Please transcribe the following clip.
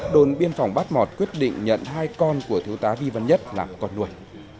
đồn biên phòng bát mọt quyết định nhận hai con của thiếu tá vi văn nhất làm con nuôi